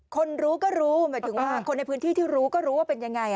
คนรู้ก็รู้คนในพื้นที่ที่รู้ก็รู้ว่าเป็นยังไงอ่ะ